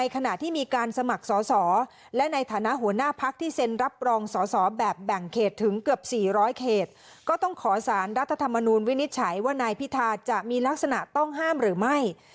การรัฐธรรมนุมวินิจฉัยว่านายพิธาจะมีลักษณะต้องห้ามหรือไม่